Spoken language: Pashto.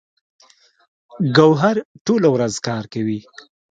ګوهر ټوله ورځ کار کوي